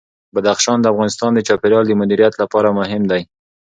بدخشان د افغانستان د چاپیریال د مدیریت لپاره مهم دي.